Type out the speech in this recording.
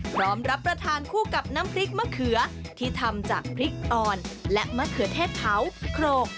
พร้อมรับประทานคู่กับน้ำพริกมะเขือที่ทำจากพริกอ่อนและมะเขือเทศเผาโครก